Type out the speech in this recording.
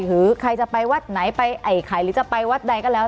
หรือใครจะไปวัดไหนไปไอ้ไข่หรือจะไปวัดใดก็แล้ว